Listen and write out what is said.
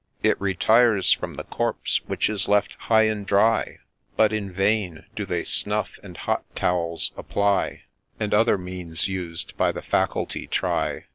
It retires from the corpse, which is left high and dry ; But, in vain do they snuff and hot towels apply, And other means used by the faculty try.